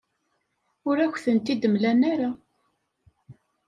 Ur ak-tent-id-mlan ara.